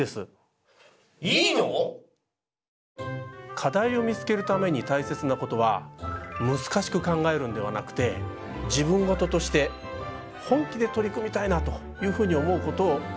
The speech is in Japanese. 課題を見つけるためにたいせつなことはむずかしく考えるんではなくて自分事として本気で取り組みたいなというふうに思うことを書くことなんです。